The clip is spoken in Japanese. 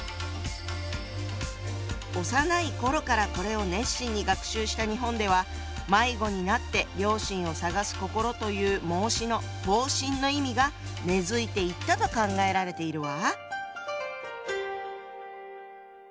幼い頃からこれを熱心に学習した日本では「迷子になって良心を探す心」という孟子の「放心」の意味が根づいていったと考えられているわ！